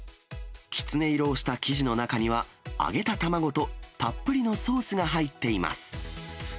きつね色をした生地の中には、揚げた卵とたっぷりのソースが入っています。